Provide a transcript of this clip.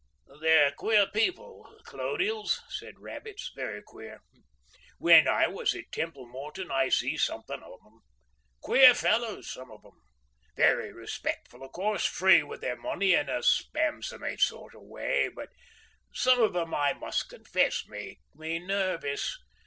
"They're queer people—colonials," said Rabbits, "very queer. When I was at Templemorton I see something of 'em. Queer fellows, some of 'em. Very respectful of course, free with their money in a spasammy sort of way, but—Some of 'em, I must confess, make me nervous.